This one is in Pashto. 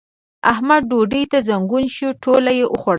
احمد ډوډۍ ته زنګون شو؛ ټوله يې وخوړله.